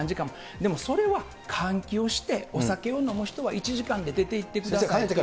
でもそれは換気をして、お酒を飲む人は１時間で出ていってくださいとか。